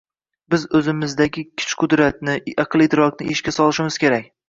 biz o‘zimizdagi kuch-qudratni, aql-idrokni ishga solishimiz kerak.